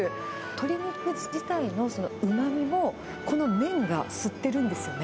鶏肉自体のうまみも、この麺が吸ってるんですよね。